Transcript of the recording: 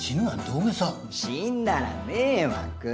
死んだら迷惑。